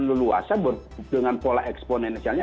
leluasa dengan pola eksponensialnya